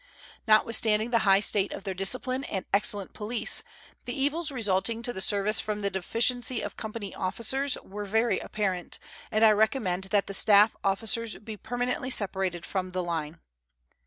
Notwithstanding the high state of their discipline and excellent police, the evils resulting to the service from the deficiency of company officers were very apparent, and I recommend that the staff officers be permanently separated from the line.